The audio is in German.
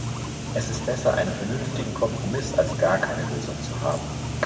Es ist besser, einen vernünftigen Kompromiss als gar keine Lösung zu haben.